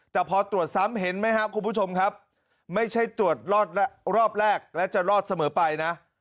แต่พอตรวจซ้ำเห็นไหมครับคุณผู้ชมครับไม่ใช่ตรวจรอบแรกและจะรอดเสมอไปนะ